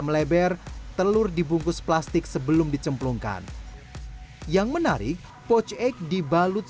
meleber telur dibungkus plastik sebelum dicemplungkan yang menarik poch egg dibalut